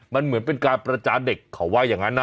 มันเหมือนเป็นการประจานเด็กเขาว่าอย่างนั้นนะ